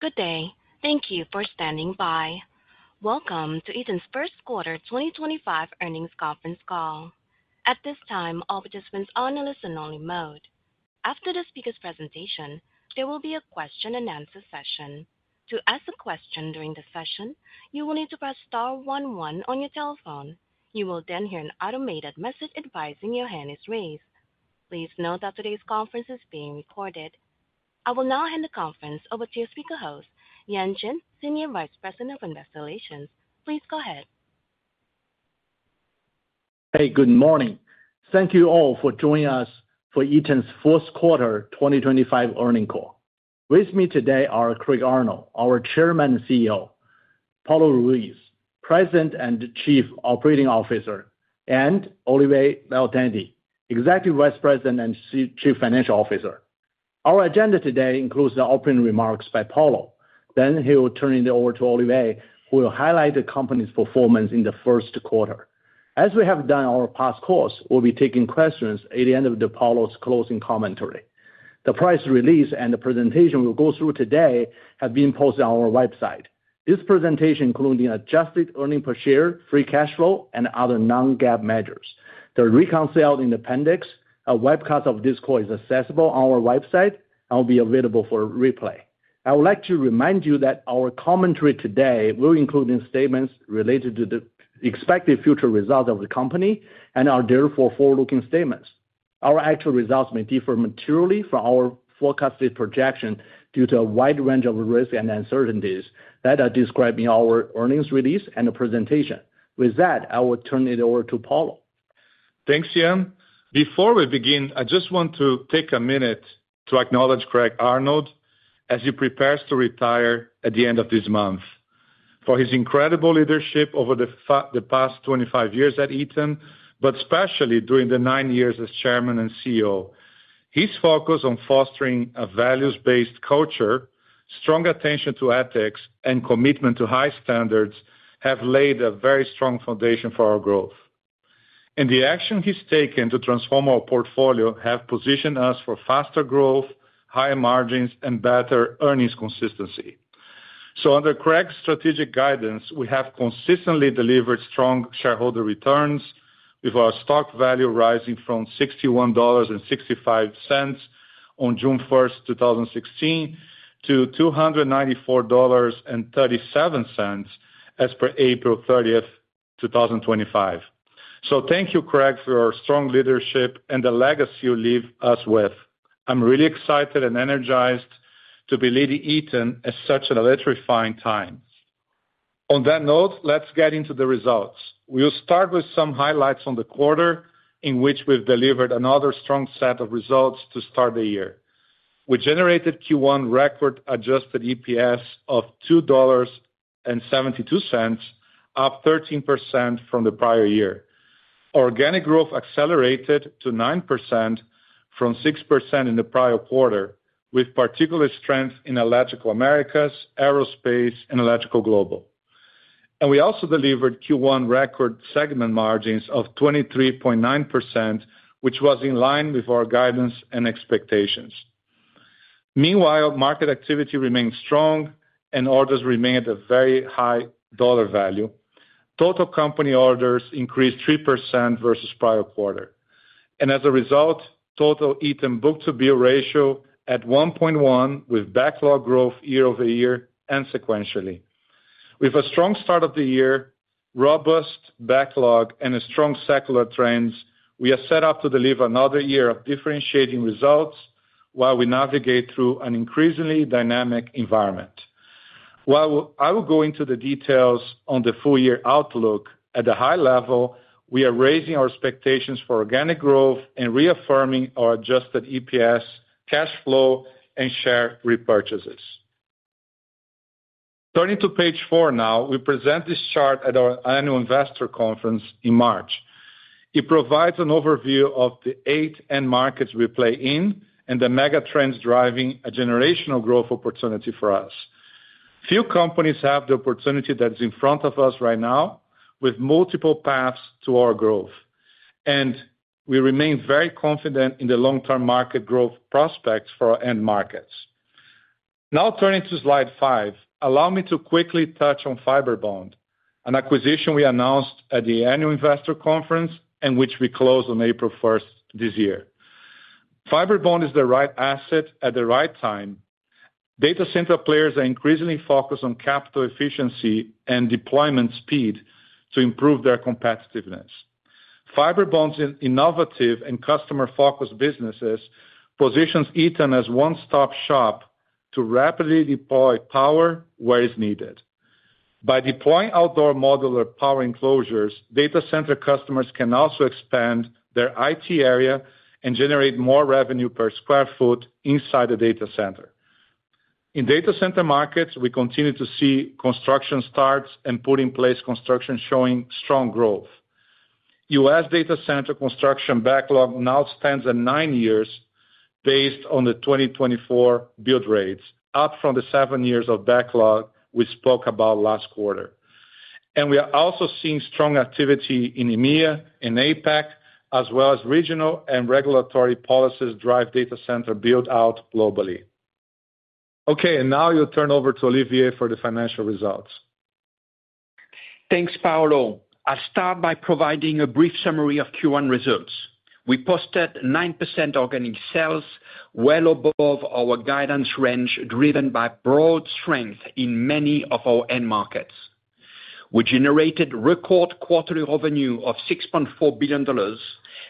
Good day, thank you for standing by. Welcome to Eaton's First Quarter 2025 Earnings Conference Call. At this time, all participants are on a listen-only mode. After the speaker's presentation, there will be a Q&A session. To ask a question during the session, you will need to press star one one on your telephone. You will then hear an automated message advising your hand is raised. Please note that today's conference is being recorded. I will now hand the conference over to your speaker host, Yan Jin, Senior Vice President of Investor Relations. Please go ahead. Hey, good morning. Thank you all for joining us for Eaton's First Quarter 2025 Earnings Call. With me today are Craig Arnold, our Chairman and CEO; Paulo Ruiz, President and Chief Operating Officer; and Olivier Leonetti, Executive Vice President and Chief Financial Officer. Our agenda today includes the opening remarks by Paulo. He'll turn it over to Olivier, who will highlight the company's performance in the Q1. As we have done in our past course, we'll be taking questions at the end of Paulo's closing commentary. The press release and the presentation we'll go through today have been posted on our website. This presentation includes adjusted earnings per share, free cash flow, and other non-GAAP measures. They are reconciled in the appendix. A webcast of this call is accessible on our website and will be available for replay. I would like to remind you that our commentary today will include statements related to the expected future results of the company and are therefore forward-looking statements. Our actual results may differ materially from our forecasted projection due to a wide range of risks and uncertainties that are described in our earnings release and the presentation. With that, I will turn it over to Paulo. Thanks, Yan. Before we begin, I just want to take a minute to acknowledge Craig Arnold as he prepares to retire at the end of this month for his incredible leadership over the past 25 years at Eaton, but especially during the nine years as Chairman and CEO. His focus on fostering a values-based culture, strong attention to ethics, and commitment to high standards have laid a very strong foundation for our growth. The action he has taken to transform our portfolio has positioned us for faster growth, higher margins, and better earnings consistency. Under Craig's strategic guidance, we have consistently delivered strong shareholder returns, with our stock value rising from $61.65 on June 1, 2016, to $294.37 as per April 30, 2025. Thank you, Craig, for your strong leadership and the legacy you leave us with. I'm really excited and energized to be leading Eaton at such an electrifying time. On that note, let's get into the results. We'll start with some highlights on the quarter in which we've delivered another strong set of results to start the year. We generated Q1 record adjusted EPS of $2.72, up 13% from the prior year. Organic growth accelerated to 9% from 6% in the prior quarter, with particular strength in Electrical Americas, Aerospace, and Electrical Global. We also delivered Q1 record segment margins of 23.9%, which was in line with our guidance and expectations. Meanwhile, market activity remained strong, and orders remained at a very high dollar value. Total company orders increased 3% versus prior quarter. As a result, total Eaton book-to-bill ratio at 1.1, with backlog growth year over year and sequentially. With a strong start of the year, robust backlog, and strong secular trends, we are set up to deliver another year of differentiating results while we navigate through an increasingly dynamic environment. While I will go into the details on the full-year outlook, at a high level, we are raising our expectations for organic growth and reaffirming our adjusted EPS, cash flow, and share repurchases. Turning to page four now, we present this chart at our Annual Investor Conference in March. It provides an overview of the eight end markets we play in and the megatrends driving a generational growth opportunity for us. Few companies have the opportunity that is in front of us right now, with multiple paths to our growth. We remain very confident in the long-term market growth prospects for our end markets. Now turning to slide five, allow me to quickly touch on Fibrebond, an acquisition we announced at the Annual Investor Conference and which we closed on April 1 this year. Fibrebond is the right asset at the right time. Data center players are increasingly focused on capital efficiency and deployment speed to improve their competitiveness. Fibrebond's innovative and customer-focused businesses position Eaton as a one-stop shop to rapidly deploy power where it's needed. By deploying outdoor modular power enclosures, data center customers can also expand their IT area and generate more revenue per square foot inside the data center. In data center markets, we continue to see construction starts and put in place construction showing strong growth. US data center construction backlog now spans nine years based on the 2024 build rates, up from the seven years of backlog we spoke about last quarter. We are also seeing strong activity in EMEA and APAC, as well as regional and regulatory policies drive data center build-out globally. Okay, now I'll turn over to Olivier for the financial results. Thanks, Paulo. I'll start by providing a brief summary of Q1 results. We posted 9% organic sales, well above our guidance range driven by broad strength in many of our end markets. We generated record quarterly revenue of $6.4 billion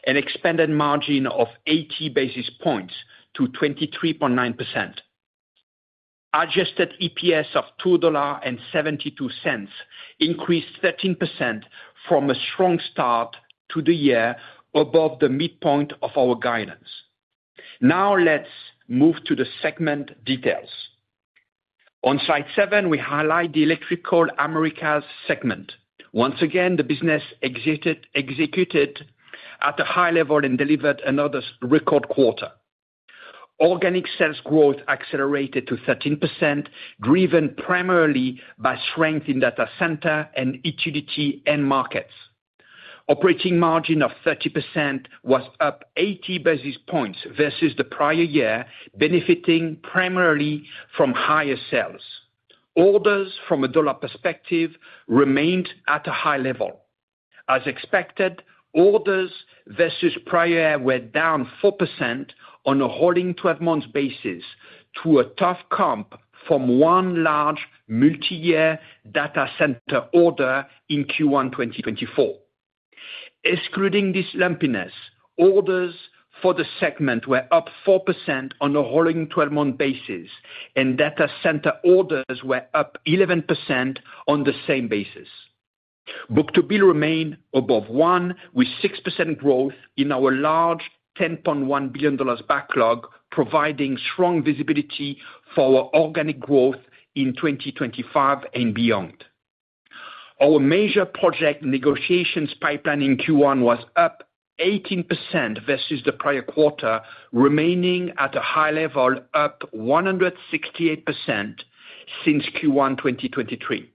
and expanded margin of 80 basis points to 23.9%. Adjusted EPS of $2.72 increased 13% from a strong start to the year, above the midpoint of our guidance. Now let's move to the segment details. On slide seven, we highlight the Electrical Americas segment. Once again, the business executed at a high level and delivered another record quarter. Organic sales growth accelerated to 13%, driven primarily by strength in data center and utility end markets. Operating margin of 30% was up 80 basis points versus the prior year, benefiting primarily from higher sales. Orders, from a dollar perspective, remained at a high level. As expected, orders versus prior year were down 4% on a holding 12-month basis to a tough comp from one large multi-year data center order in Q1 2024. Excluding this lumpiness, orders for the segment were up 4% on a holding 12-month basis, and data center orders were up 11% on the same basis. Book-to-bill remained above one, with 6% growth in our large $10.1 billion backlog, providing strong visibility for our organic growth in 2025 and beyond. Our major project negotiations pipeline in Q1 was up 18% versus the prior quarter, remaining at a high level, up 168% since Q1 2023.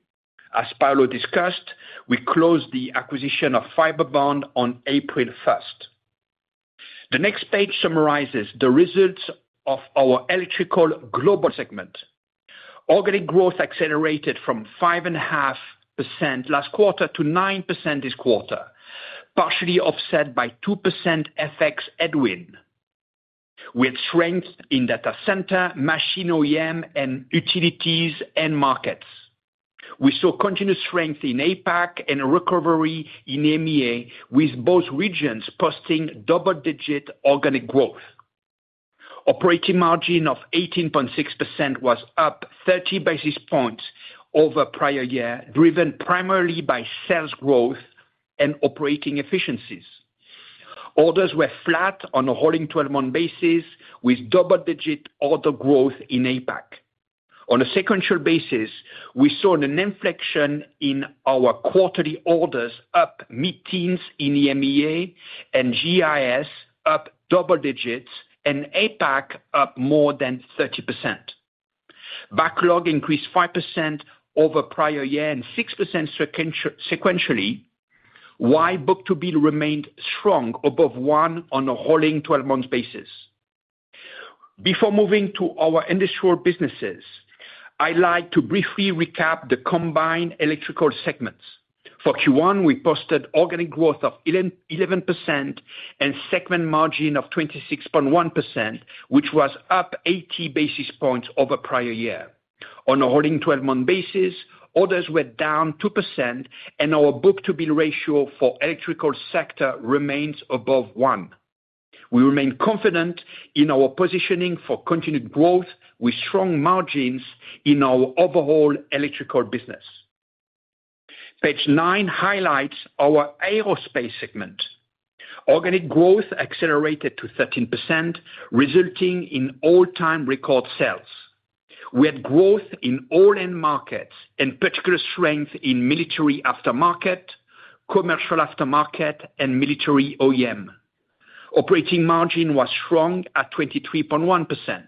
As Paulo discussed, we closed the acquisition of Fibrebond on April 1. The next page summarizes the results of our Electrical Global segment. Organic growth accelerated from 5.5% last quarter to 9% this quarter, partially offset by 2% FX headwind. We had strength in data center, machine OEM, and utilities end markets. We saw continued strength in APAC and a recovery in EMEA, with both regions posting double-digit organic growth. Operating margin of 18.6% was up 30 basis points over prior year, driven primarily by sales growth and operating efficiencies. Orders were flat on a holding 12-month basis, with double-digit order growth in APAC. On a sequential basis, we saw an inflection in our quarterly orders, up mid-teens in EMEA and GIS, up double digits, and APAC, up more than 30%. Backlog increased 5% over prior year and 6% sequentially, while book-to-bill remained strong, above one on a holding 12-month basis. Before moving to our industrial businesses, I'd like to briefly recap the combined electrical segments. For Q1, we posted organic growth of 11% and segment margin of 26.1%, which was up 80 basis points over prior year. On a holding 12-month basis, orders were down 2%, and our book-to-bill ratio for electrical sector remains above one. We remain confident in our positioning for continued growth with strong margins in our overall electrical business. Page nine highlights our aerospace segment. Organic growth accelerated to 13%, resulting in all-time record sales. We had growth in all end markets, and particular strength in military aftermarket, commercial aftermarket, and military OEM. Operating margin was strong at 23.1%.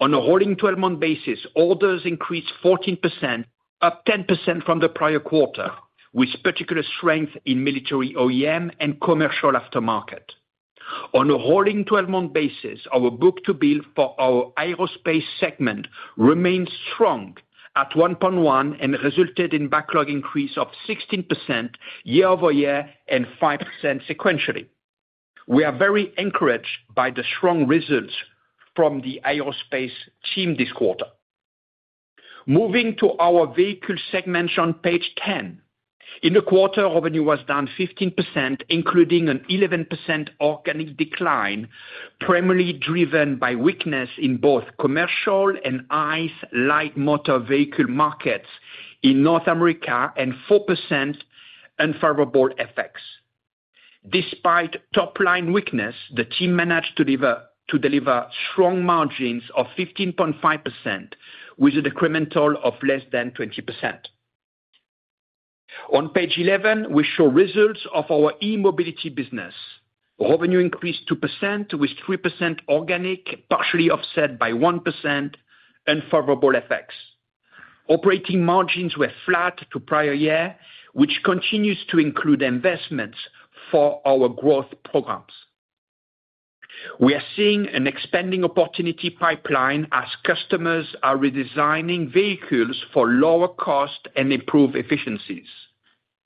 On a holding 12-month basis, orders increased 14%, up 10% from the prior quarter, with particular strength in military OEM and commercial aftermarket. On a holding 12-month basis, our book-to-bill for our aerospace segment remained strong at 1.1 and resulted in backlog increase of 16% year over year and 5% sequentially. We are very encouraged by the strong results from the aerospace team this quarter. Moving to our vehicle segment on Page 10, in the quarter, revenue was down 15%, including an 11% organic decline, primarily driven by weakness in both commercial and ICE light motor vehicle markets in North America and 4% in unfavorable FX. Despite top-line weakness, the team managed to deliver strong margins of 15.5%, with a decremental of less than 20%. On Page 11, we show results of our eMobility business. Revenue increased 2%, with 3% organic, partially offset by 1% in unfavorable FX. Operating margins were flat to prior year, which continues to include investments for our growth programs. We are seeing an expanding opportunity pipeline as customers are redesigning vehicles for lower cost and improved efficiencies.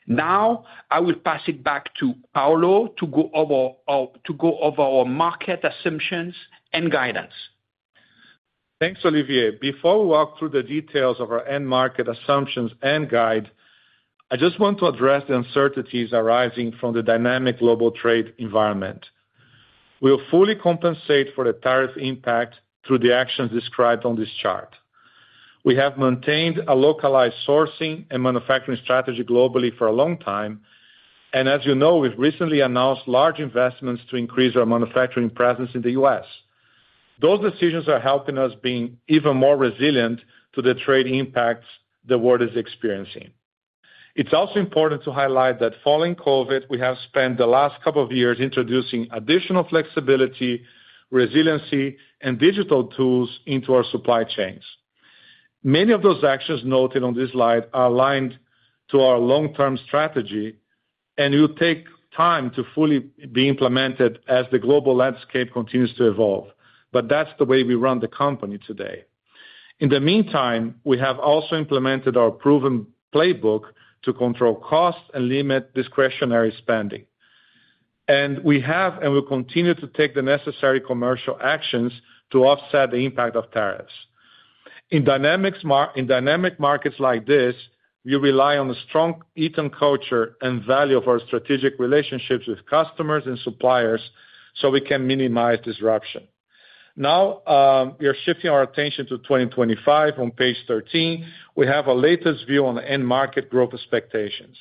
Now, I will pass it back to Paulo to go over our market assumptions and guidance. Thanks, Olivier. Before we walk through the details of our end market assumptions and guide, I just want to address the uncertainties arising from the dynamic global trade environment. We will fully compensate for the tariff impact through the actions described on this chart. We have maintained a localized sourcing and manufacturing strategy globally for a long time. As you know, we've recently announced large investments to increase our manufacturing presence in the U.S. Those decisions are helping us be even more resilient to the trade impacts the world is experiencing. It's also important to highlight that following COVID, we have spent the last couple of years introducing additional flexibility, resiliency, and digital tools into our supply chains. Many of those actions noted on this slide are aligned to our long-term strategy, and it will take time to fully be implemented as the global landscape continues to evolve. That is the way we run the company today. In the meantime, we have also implemented our proven playbook to control costs and limit discretionary spending. We have and will continue to take the necessary commercial actions to offset the impact of tariffs. In dynamic markets like this, we rely on a strong Eaton culture and value our strategic relationships with customers and suppliers so we can minimize disruption. Now, we are shifting our attention to 2025. On Page 13, we have a latest view on end market growth expectations.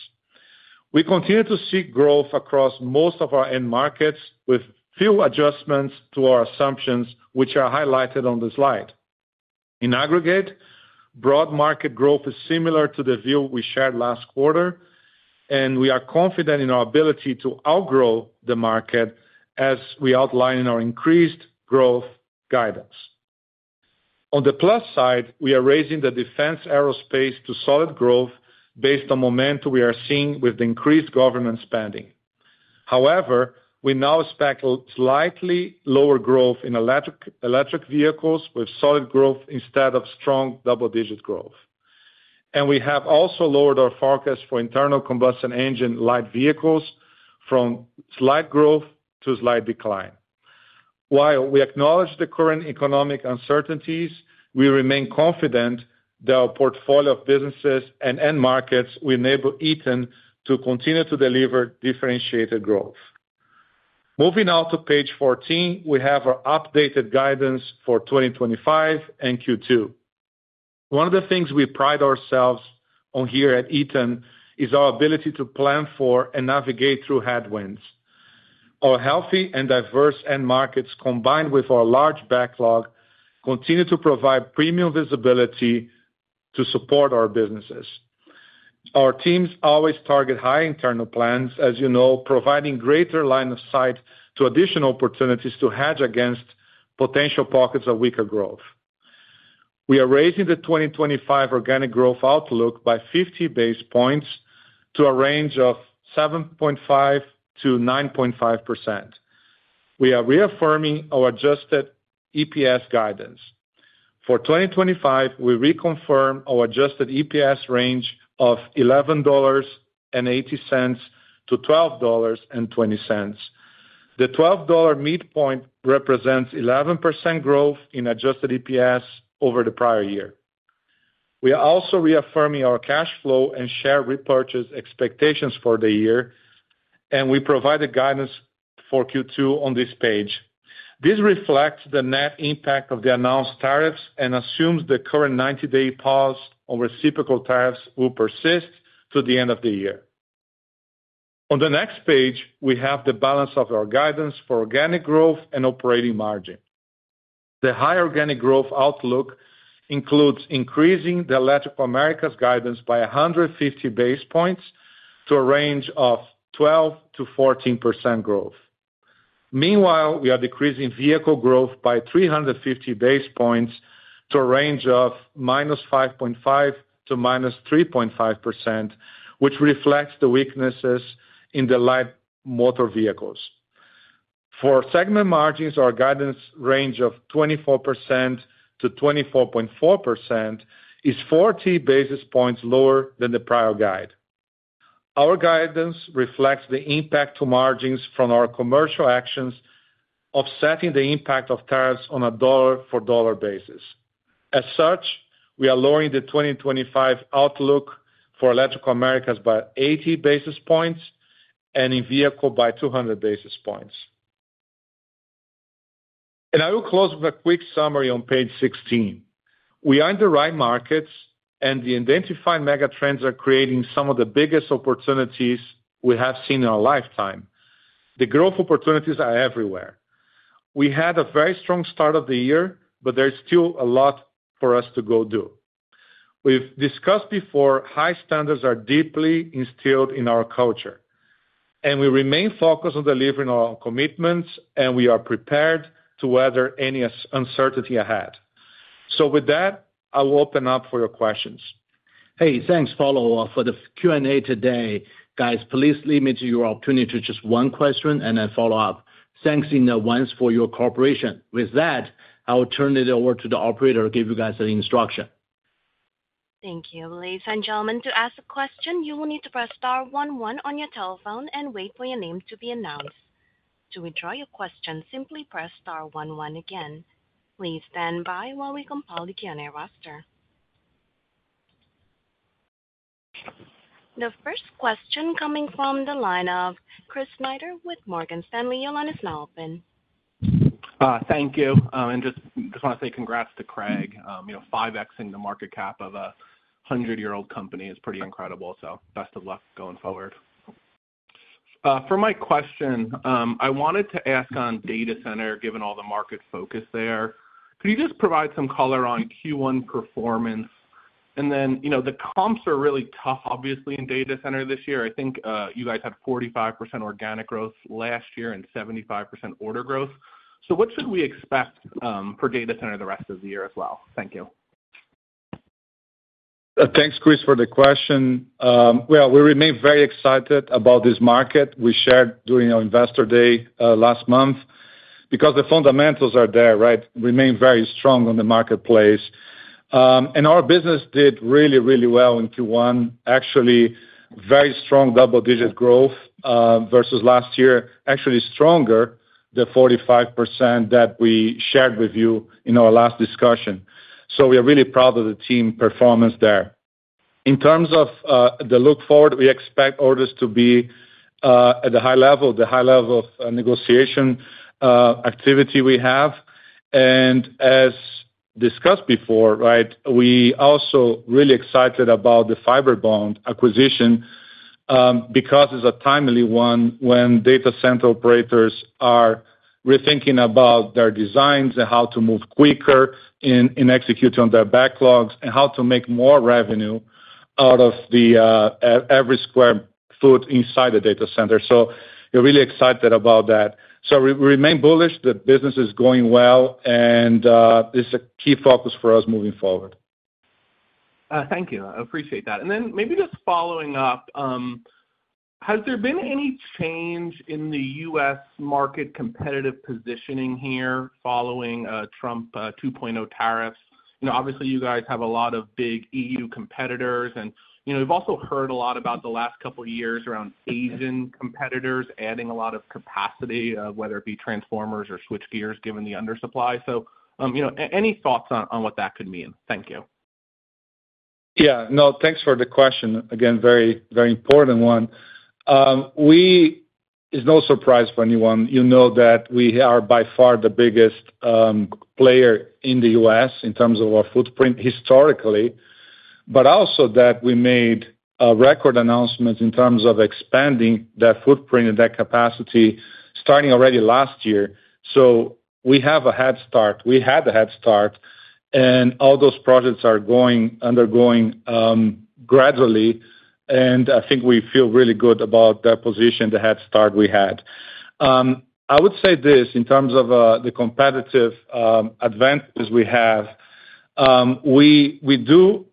We continue to see growth across most of our end markets, with few adjustments to our assumptions, which are highlighted on the slide. In aggregate, broad market growth is similar to the view we shared last quarter, and we are confident in our ability to outgrow the market as we outline in our increased growth guidance. On the plus side, we are raising the defense aerospace to solid growth based on momentum we are seeing with increased government spending. However, we now expect slightly lower growth in electric vehicles with solid growth instead of strong double-digit growth. We have also lowered our forecast for internal combustion engine light vehicles from slight growth to slight decline. While we acknowledge the current economic uncertainties, we remain confident that our portfolio of businesses and end markets will enable Eaton to continue to deliver differentiated growth. Moving out to Page 14, we have our updated guidance for 2025 and Q2. One of the things we pride ourselves on here at Eaton is our ability to plan for and navigate through headwinds. Our healthy and diverse end markets, combined with our large backlog, continue to provide premium visibility to support our businesses. Our teams always target high internal plans, as you know, providing greater line of sight to additional opportunities to hedge against potential pockets of weaker growth. We are raising the 2025 organic growth outlook by 50 basis points to a range of 7.5%-9.5%. We are reaffirming our adjusted EPS guidance. For 2025, we reconfirm our adjusted EPS range of $11.80-$12.20. The $12 midpoint represents 11% growth in adjusted EPS over the prior year. We are also reaffirming our cash flow and share repurchase expectations for the year, and we provide the guidance for Q2 on this page. This reflects the net impact of the announced tariffs and assumes the current 90-day pause on reciprocal tariffs will persist to the end of the year. On the next page, we have the balance of our guidance for organic growth and operating margin. The high organic growth outlook includes increasing the Electrical Americas guidance by 150 basis points to a range of 12%-14% growth. Meanwhile, we are decreasing vehicle growth by 350 basis points to a range of minus 5.5% to minus 3.5%, which reflects the weaknesses in the light motor vehicles. For segment margins, our guidance range of 24%-24.4% is 40 basis points lower than the prior guide. Our guidance reflects the impact to margins from our commercial actions, offsetting the impact of tariffs on a dollar-for-dollar basis. As such, we are lowering the 2025 outlook for Electrical Americas by 80 basis points and in vehicle by 200 basis points. I will close with a quick summary on page 16. We are in the right markets, and the identified megatrends are creating some of the biggest opportunities we have seen in our lifetime. The growth opportunities are everywhere. We had a very strong start of the year, but there's still a lot for us to go do. We've discussed before high standards are deeply instilled in our culture, and we remain focused on delivering our commitments, and we are prepared to weather any uncertainty ahead. I will open up for your questions. Hey, thanks, Paulo, for the Q&A today. Guys, please limit your opportunity to just one question, and I'll follow up. Thanks in advance for your cooperation. With that, I will turn it over to the operator to give you guys an instruction. Thank you. Ladies and gentlemen, to ask a question, you will need to press star one one on your telephone and wait for your name to be announced. To withdraw your question, simply press star one one again. Please stand by while we compile the Q&A roster. The first question coming from the line of Chris Snyder with Morgan Stanley. Thank you. I just want to say congrats to Craig. 5x-ing the market cap of a 100-year-old company is pretty incredible. Best of luck going forward. For my question, I wanted to ask on data center, given all the market focus there. Could you just provide some color on Q1 performance? The comps are really tough, obviously, in data center this year. I think you guys had 45% organic growth last year and 75% order growth. What should we expect for data center the rest of the year as well? Thank you. Thanks, Chris, for the question. We remain very excited about this market we shared during our investor day last month because the fundamentals are there, right? We remain very strong on the marketplace. And our business did really, really well in Q1. Actually, very strong double-digit growth versus last year, actually stronger than 45% that we shared with you in our last discussion. We are really proud of the team performance there. In terms of the look forward, we expect orders to be at the high level, the high level of negotiation activity we have. As discussed before, right, we are also really excited about the Fibrebond acquisition because it is a timely one when data center operators are rethinking about their designs and how to move quicker in executing on their backlogs and how to make more revenue out of every square foot inside the data center. We are really excited about that. We remain bullish. The business is going well, and this is a key focus for us moving forward. Thank you. I appreciate that. Maybe just following up, has there been any change in the U.S. market competitive positioning here following Trump 2.0 tariffs? Obviously, you guys have a lot of big EU competitors, and we have also heard a lot about the last couple of years around Asian competitors adding a lot of capacity, whether it be transformers or switchgears, given the undersupply. Any thoughts on what that could mean? Thank you. Yeah. No, thanks for the question. Again, very, very important one. It's no surprise for anyone. You know that we are by far the biggest player in the US in terms of our footprint historically, but also that we made record announcements in terms of expanding that footprint and that capacity starting already last year. We have a head start. We had a head start, and all those projects are undergoing gradually. I think we feel really good about that position, the head start we had. I would say this in terms of the competitive advantages we have. We do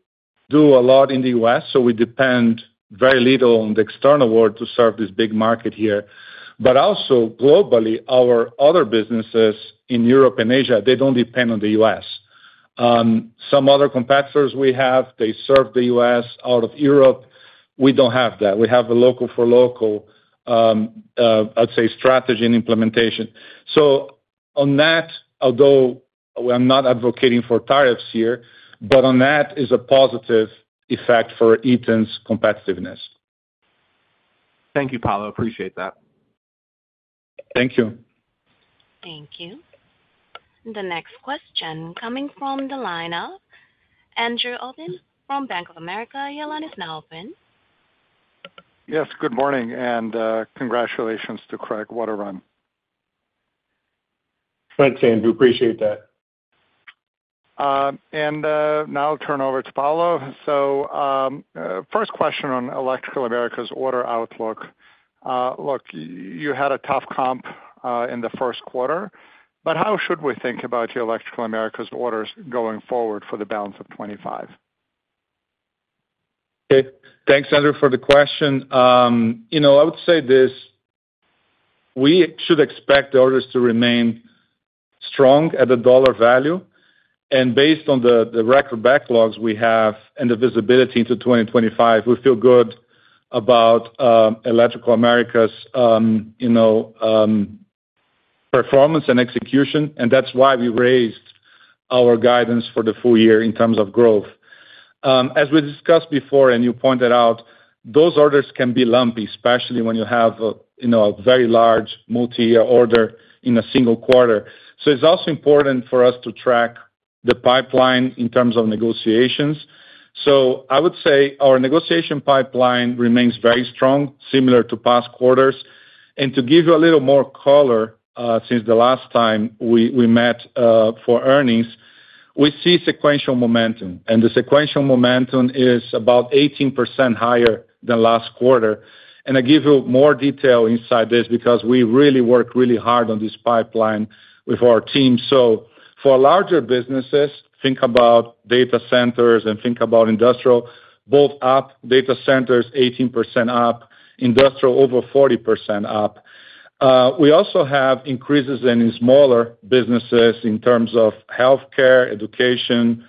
do a lot in the US, so we depend very little on the external world to serve this big market here. Also, globally, our other businesses in Europe and Asia, they don't depend on the U.S. Some other competitors we have, they serve the U.S. out of Europe. We do not have that. We have a local-for-local, I'd say, strategy and implementation. On that, although we are not advocating for tariffs here, on that is a positive effect for Eaton's competitiveness. Thank you, Paulo. Appreciate that. Thank you. Thank you. The next question coming from the line of Andrew Obin from Bank of America, your line is open. Yes, good morning, and congratulations to Craig Arnold. Thanks, Andrew. Appreciate that. I will turn over to Paulo. First question on Electrical America's order outlook. Look, you had a tough comp in the Q1, but how should we think about your Electrical America's orders going forward for the balance of 2025? Okay. Thanks, Andrew, for the question. I would say this. We should expect orders to remain strong at the dollar value. Based on the record backlogs we have and the visibility into 2025, we feel good about Electrical Americas' performance and execution. That is why we raised our guidance for the full year in terms of growth. As we discussed before, and you pointed out, those orders can be lumpy, especially when you have a very large multi-year order in a single quarter. It is also important for us to track the pipeline in terms of negotiations. I would say our negotiation pipeline remains very strong, similar to past quarters. To give you a little more color since the last time we met for earnings, we see sequential momentum. The sequential momentum is about 18% higher than last quarter. I give you more detail inside this because we really work really hard on this pipeline with our team. For larger businesses, think about data centers and think about industrial, both up, data centers 18% up, industrial over 40% up. We also have increases in smaller businesses in terms of healthcare, education,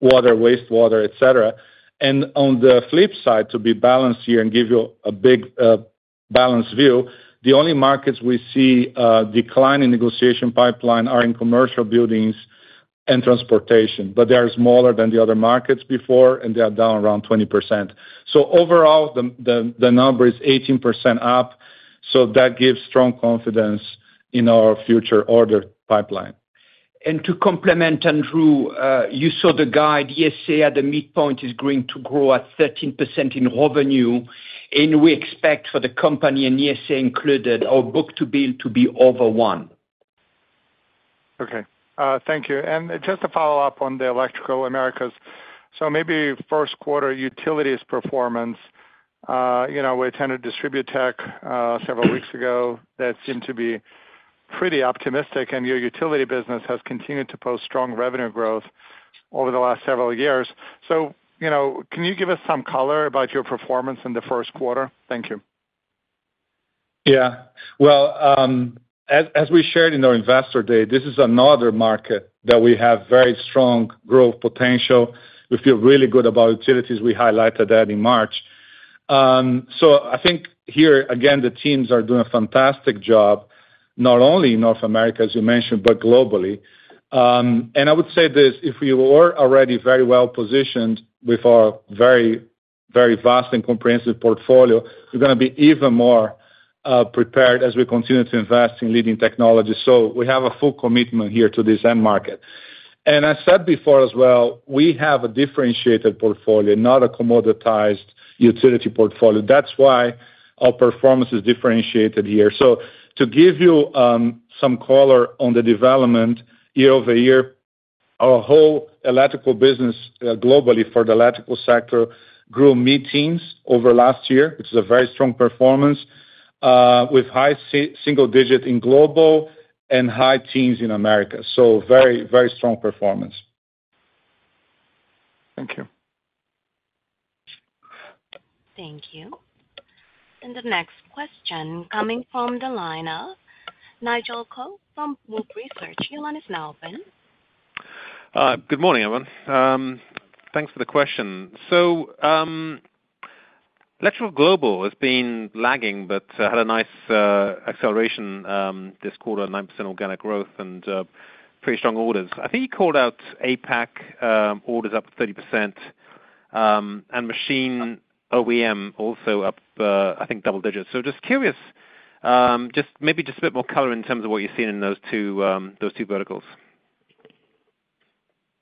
water, wastewater, etc. On the flip side, to be balanced here and give you a big balanced view, the only markets we see decline in negotiation pipeline are in commercial buildings and transportation, but they are smaller than the other markets before, and they are down around 20%. Overall, the number is 18% up. That gives strong confidence in our future order pipeline. To complement, Andrew, you saw the guide. ESA at the midpoint is going to grow at 13% in revenue, and we expect for the company and ESA included our book-to-bill to be over one. Okay. Thank you. Just to follow up on the Electrical Americas, maybe Q1 utilities performance. We attended Distributech several weeks ago. That seemed to be pretty optimistic, and your utility business has continued to post strong revenue growth over the last several years. Can you give us some color about your performance in the Q1? Thank you. Yeah. As we shared in our investor day, this is another market that we have very strong growth potential. We feel really good about utilities. We highlighted that in March. I think here, again, the teams are doing a fantastic job, not only in North America, as you mentioned, but globally. I would say this, if we were already very well positioned with our very, very vast and comprehensive portfolio, we're going to be even more prepared as we continue to invest in leading technology. We have a full commitment here to this end market. As I said before as well, we have a differentiated portfolio, not a commoditized utility portfolio. That's why our performance is differentiated here. To give you some color on the development year over year, our whole electrical business globally for the electrical sector grew mid-teens over last year, which is a very strong performance with high single digit in global and high teens in America. Very, very strong performance. Thank you. Thank you. The next question coming from the line of Nigel Coe from Wolfe Research, your line is open. Good morning, everyone. Thanks for the question. Electrical Global has been lagging but had a nice acceleration this quarter, 9% organic growth and pretty strong orders. I think you called out APAC orders up 30% and machine OEM also up, I think, double digits. Just curious, maybe just a bit more color in terms of what you've seen in those two verticals.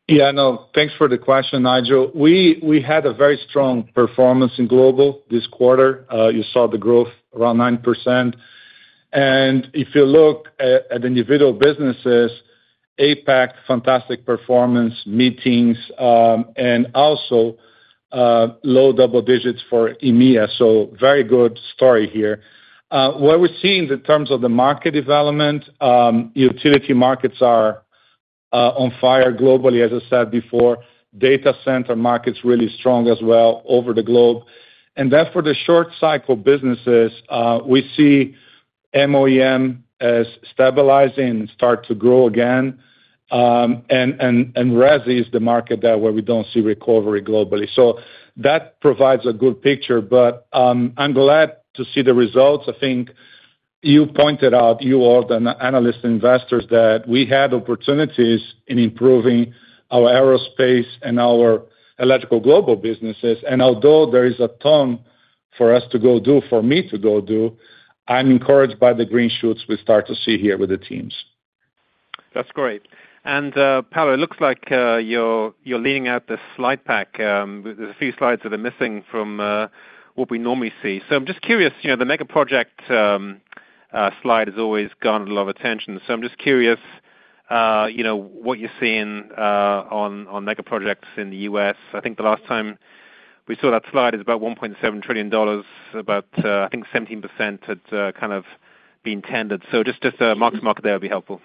Yeah. No, thanks for the question, Nigel. We had a very strong performance in global this quarter. You saw the growth around 9%. If you look at individual businesses, APAC, fantastic performance, meetings, and also low double digits for EMEA. Very good story here. What we're seeing in terms of the market development, utility markets are on fire globally, as I said before. Data center markets really strong as well over the globe. For the short cycle businesses, we see MOEM as stabilizing and start to grow again. Resi is the market that where we do not see recovery globally. That provides a good picture, but I am glad to see the results. I think you pointed out, you all, the analysts and investors, that we had opportunities in improving our aerospace and our Electrical Global businesses. Although there is a ton for us to go do, for me to go do, I'm encouraged by the green shoots we start to see here with the teams. That's great. Paulo, it looks like you're leaning at the slide pack. There's a few slides that are missing from what we normally see. I'm just curious, the mega project slide has always garnered a lot of attention. I'm just curious what you're seeing on mega projects in the U.S. I think the last time we saw that slide is about $1.7 trillion, but I think 17% had kind of been tended. Just a mark-to-market there would be helpful.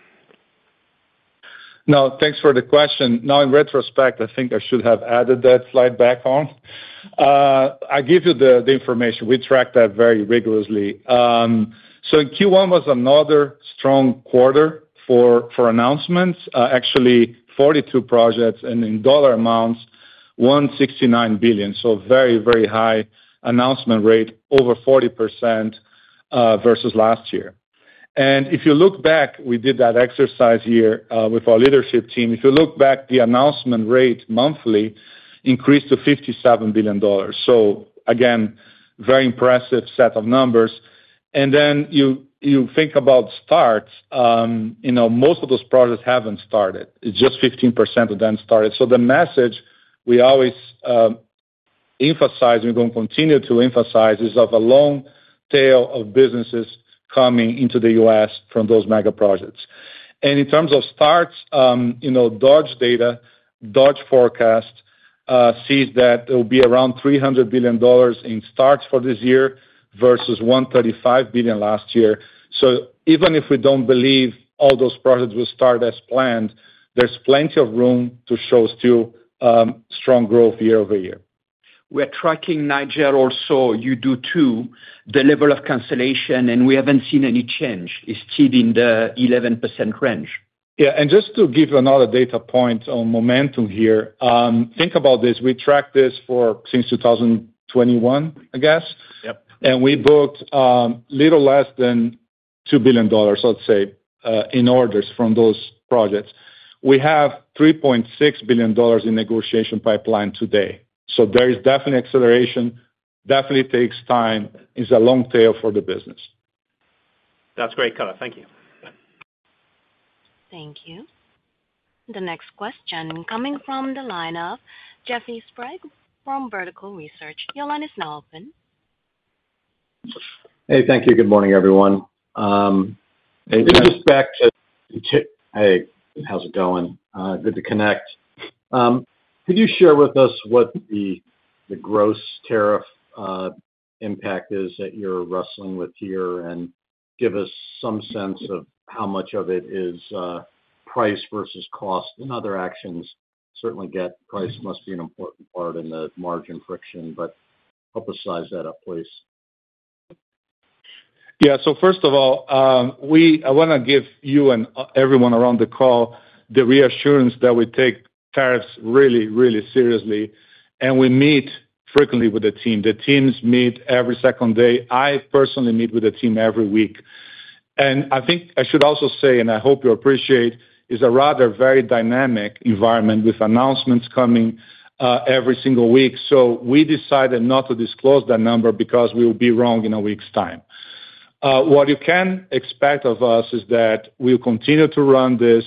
No, thanks for the question. Now, in retrospect, I think I should have added that slide back on. I give you the information. We track that very rigorously. Q1 was another strong quarter for announcements, actually 42 projects, and in dollar amounts, $169 billion. Very, very high announcement rate, over 40% versus last year. If you look back, we did that exercise here with our leadership team. If you look back, the announcement rate monthly increased to $57 billion. Again, very impressive set of numbers. You think about starts, most of those projects have not started. It is just 15% of them started. The message we always emphasize and we are going to continue to emphasize is of a long tail of businesses coming into the U.S. from those mega projects. In terms of starts, Dodge Data, Dodge forecast sees that there will be around $300 billion in starts for this year versus $135 billion last year. Even if we do not believe all those projects will start as planned, there is plenty of room to show still strong growth year-over-year. We are tracking Nigel also. You do too. The level of cancellation, and we haven't seen any change. It's still in the 11% range. Yeah. Just to give another data point on momentum here, think about this. We track this since 2021, I guess. We booked a little less than $2 billion, I'd say, in orders from those projects. We have $3.6 billion in negotiation pipeline today. There is definitely acceleration, definitely takes time, is a long tail for the business. That's great, Paulo. Thank you. Thank you. The next question coming from the line of Jeffrey Sprague from Vertical Research, your line is open. Hey, thank you. Good morning, everyone. In respect to. Hey. How's it going? Good to connect. Could you share with us what the gross tariff impact is that you're wrestling with here and give us some sense of how much of it is price versus cost and other actions? Certainly, price must be an important part in the margin friction, but help us size that up, please. Yeah. First of all, I want to give you and everyone around the call the reassurance that we take tariffs really, really seriously, and we meet frequently with the team. The teams meet every second day. I personally meet with the team every week. I think I should also say, and I hope you appreciate, it is a rather very dynamic environment with announcements coming every single week. We decided not to disclose that number because we will be wrong in a week's time. What you can expect of us is that we will continue to run this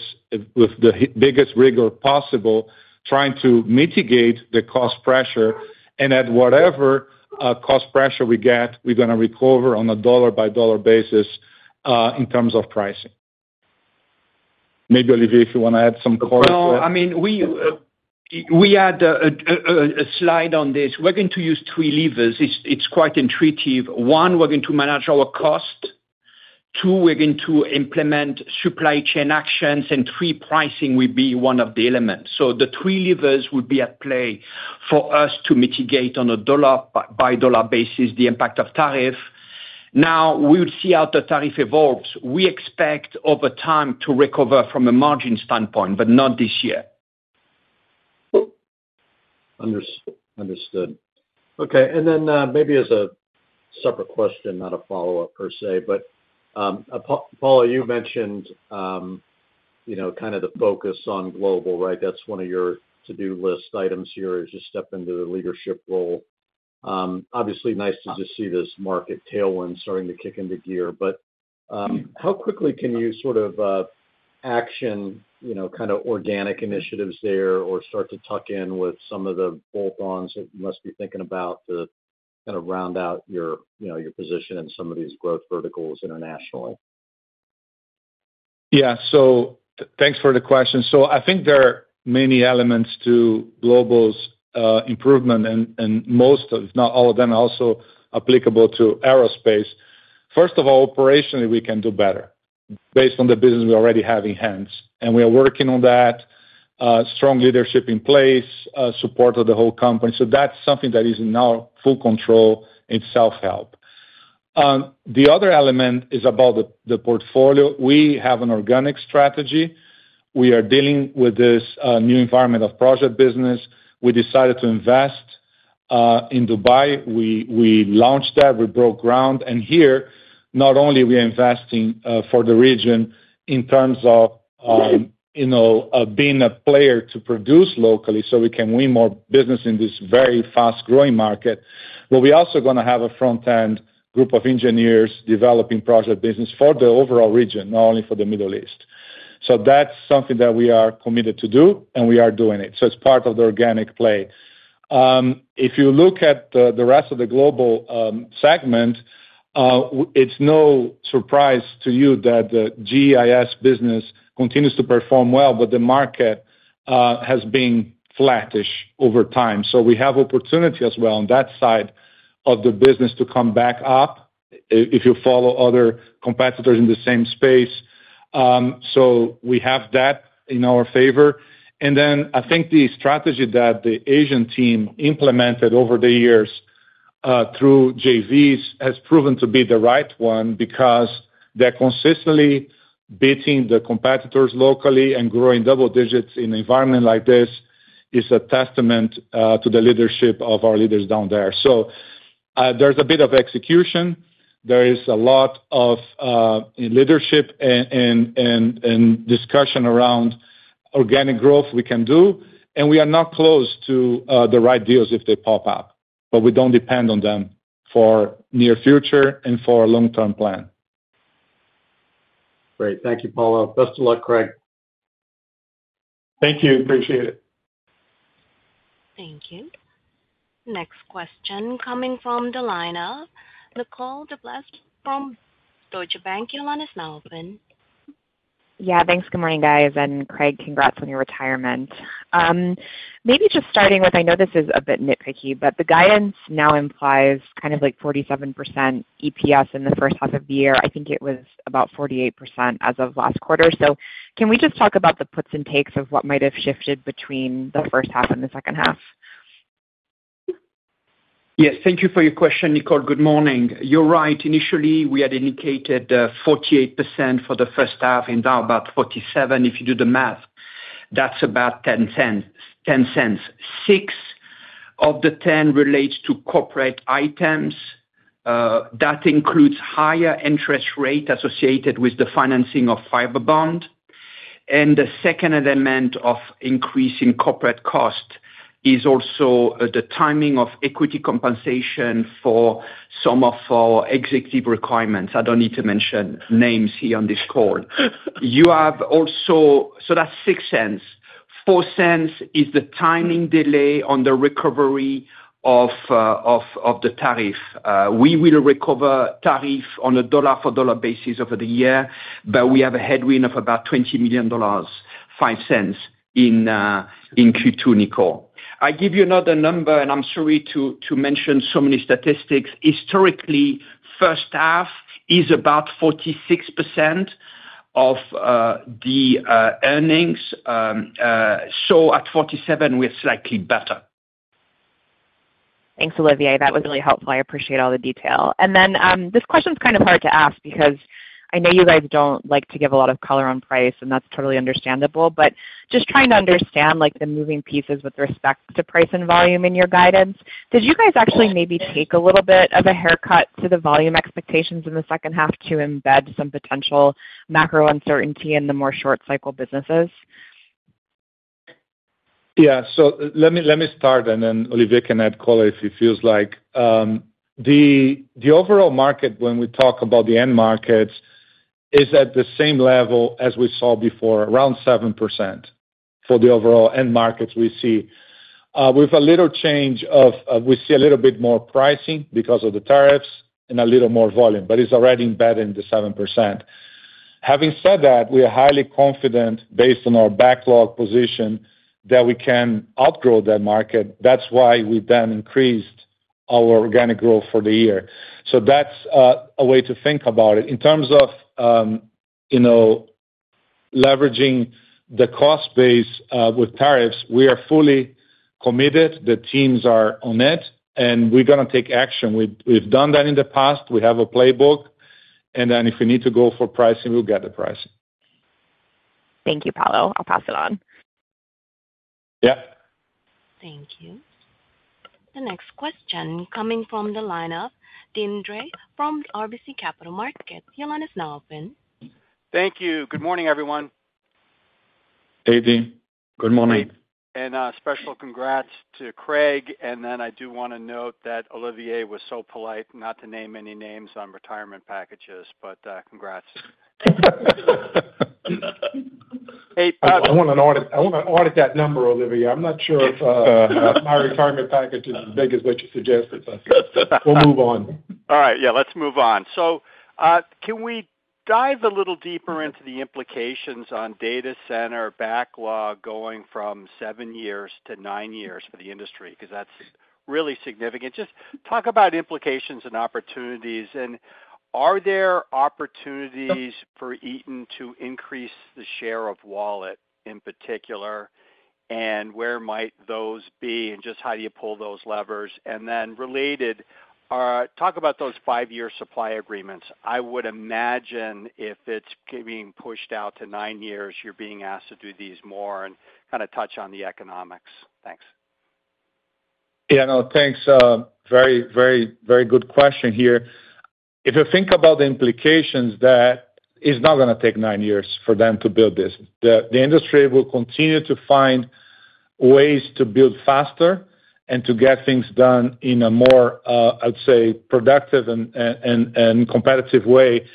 with the biggest rigor possible, trying to mitigate the cost pressure. At whatever cost pressure we get, we are going to recover on a dollar-by-dollar basis in terms of pricing. Maybe Olivier, if you want to add some quarters. No, I mean, we had a slide on this. We're going to use three levers. It's quite intuitive. One, we're going to manage our cost. Two, we're going to implement supply chain actions. Three, pricing will be one of the elements. The three levers would be at play for us to mitigate on a dollar-by-dollar basis the impact of tariff. Now, we would see how the tariff evolves. We expect over time to recover from a margin standpoint, but not this year. Understood. Okay. Maybe as a separate question, not a follow-up per se, but Paulo, you mentioned kind of the focus on global, right? That is one of your to-do list items here is just step into the leadership role. Obviously, nice to just see this market tailwind starting to kick into gear. How quickly can you sort of action kind of organic initiatives there or start to tuck in with some of the bolt-ons that you must be thinking about to kind of round out your position in some of these growth verticals internationally? Yeah. Thanks for the question. I think there are many elements to Global's improvement, and most, if not all of them, are also applicable to aerospace. First of all, operationally, we can do better based on the business we already have in hand. We are working on that, strong leadership in place, support of the whole company. That is something that is in our full control in self-help. The other element is about the portfolio. We have an organic strategy. We are dealing with this new environment of project business. We decided to invest in Dubai. We launched that. We broke ground. Here, not only are we investing for the region in terms of being a player to produce locally so we can win more business in this very fast-growing market, but we're also going to have a front-end group of engineers developing project business for the overall region, not only for the Middle East. That is something that we are committed to do, and we are doing it. It is part of the organic play. If you look at the rest of the global segment, it is no surprise to you that the GIS business continues to perform well, but the market has been flattish over time. We have opportunity as well on that side of the business to come back up if you follow other competitors in the same space. We have that in our favor. I think the strategy that the Asian team implemented over the years through JVs has proven to be the right one because they're consistently beating the competitors locally, and growing double digits in an environment like this is a testament to the leadership of our leaders down there. There is a bit of execution. There is a lot of leadership and discussion around organic growth we can do. We are not close to the right deals if they pop up, but we do not depend on them for the near future and for a long-term plan. Great. Thank you, Paulo. Best of luck, Craig. Thank you. Appreciate it. Thank you. Next question coming from the line of Nicole DeBlase from Deutsche Bank, your line is open. Yeah. Thanks. Good morning, guys. Craig, congrats on your retirement. Maybe just starting with, I know this is a bit nitpicky, but the guidance now implies kind of like 47% EPS in the first half of the year. I think it was about 48% as of last quarter. Can we just talk about the puts and takes of what might have shifted between the first half and the second half? Yes. Thank you for your question, Nicole. Good morning. You're right. Initially, we had indicated 48% for the first half and now about 47%. If you do the math, that's about 10 cents. Six of the 10 relates to corporate items. That includes higher interest rate associated with the financing of Fibrebond. The second element of increasing corporate cost is also the timing of equity compensation for some of our executive requirements. I don't need to mention names here on this call. That's six cents. Four cents is the timing delay on the recovery of the tariff. We will recover tariff on a dollar-for-dollar basis over the year, but we have a headwind of about $20 million, five cents in Q2, Nicole. I give you another number, and I'm sorry to mention so many statistics. Historically, first half is about 46% of the earnings. At 47%, we're slightly better. Thanks, Olivier. That was really helpful. I appreciate all the detail. This question's kind of hard to ask because I know you guys don't like to give a lot of color on price, and that's totally understandable. Just trying to understand the moving pieces with respect to price and volume in your guidance. Did you guys actually maybe take a little bit of a haircut to the volume expectations in the second half to embed some potential macro uncertainty in the more short-cycle businesses? Yeah. Let me start, and then Olivier can add color if he feels like. The overall market, when we talk about the end markets, is at the same level as we saw before, around 7% for the overall end markets we see. With a little change of we see a little bit more pricing because of the tariffs and a little more volume, but it's already embedded in the 7%. Having said that, we are highly confident based on our backlog position that we can outgrow that market. That's why we then increased our organic growth for the year. That's a way to think about it. In terms of leveraging the cost base with tariffs, we are fully committed. The teams are on it, and we're going to take action. We've done that in the past. We have a playbook. If we need to go for pricing, we'll get the pricing. Thank you, Paulo. I'll pass it on. Yeah. Thank you. The next question coming from the line of Deane Dray from RBC Capital Markets, your line is open. Thank you. Good morning, everyone. Hey, Deane. Good morning. Special congrats to Craig. I do want to note that Olivier was so polite not to name any names on retirement packages, but congrats. Hey, I want to audit that number, Olivier. I'm not sure if my retirement package is as big as what you suggested, but we'll move on. All right. Yeah, let's move on. Can we dive a little deeper into the implications on data center backlog going from seven years to nine years for the industry? Because that's really significant. Just talk about implications and opportunities. Are there opportunities for Eaton to increase the share of wallet in particular? Where might those be? How do you pull those levers? Related, talk about those five-year supply agreements. I would imagine if it's being pushed out to nine years, you're being asked to do these more and kind of touch on the economics. Thanks. Yeah. No, thanks. Very, very, very good question here. If you think about the implications, that it's not going to take nine years for them to build this. The industry will continue to find ways to build faster and to get things done in a more, I'd say, productive and competitive way.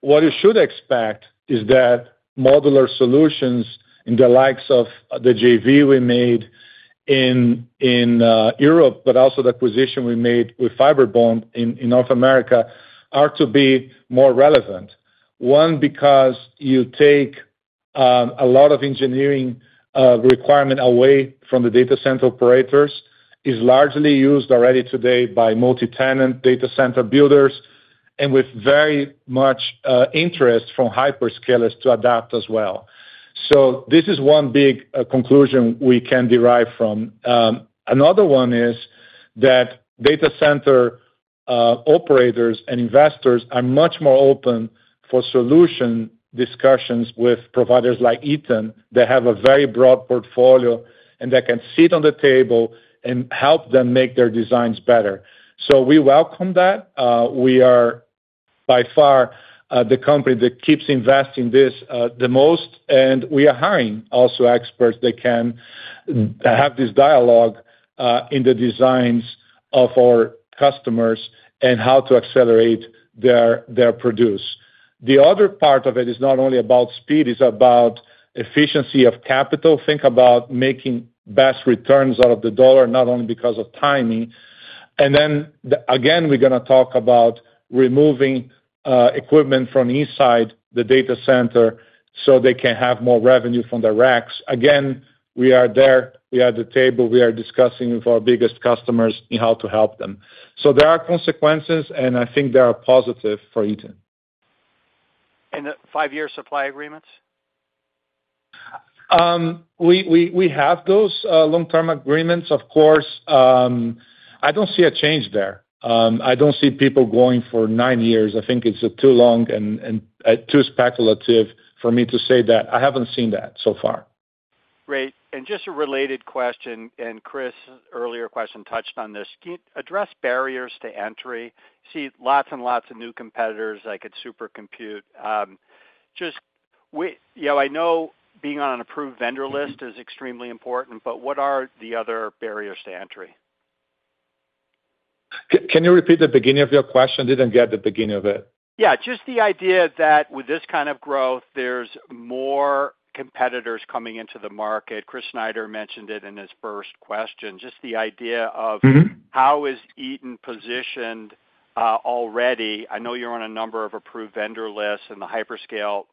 What you should expect is that modular solutions in the likes of the JV we made in Europe, but also the acquisition we made with Fibrebond in North America, are to be more relevant. One, because you take a lot of engineering requirement away from the data center operators, is largely used already today by multi-tenant data center builders and with very much interest from hyperscalers to adapt as well. This is one big conclusion we can derive from. Another one is that data center operators and investors are much more open for solution discussions with providers like Eaton that have a very broad portfolio and that can sit on the table and help them make their designs better. We welcome that. We are, by far, the company that keeps investing the most. We are hiring also experts that can have this dialogue in the designs of our customers and how to accelerate their produce. The other part of it is not only about speed. It is about efficiency of capital. Think about making best returns out of the dollar, not only because of timing. We are going to talk about removing equipment from inside the data center so they can have more revenue from their racks. We are there. We are at the table. We are discussing with our biggest customers in how to help them. There are consequences, and I think they are positive for Eaton. Five-year supply agreements? We have those long-term agreements, of course. I do not see a change there. I do not see people going for nine years. I think it is too long and too speculative for me to say that. I have not seen that so far. Great. Just a related question. Chris's earlier question touched on this. Can you address barriers to entry? See lots and lots of new competitors like at Supercompute. I know being on an approved vendor list is extremely important, but what are the other barriers to entry? Can you repeat the beginning of your question? I didn't get the beginning of it. Yeah. Just the idea that with this kind of growth, there's more competitors coming into the market. Chris Snyder mentioned it in his first question. Just the idea of how is Eaton positioned already? I know you're on a number of approved vendor lists and the hyperscale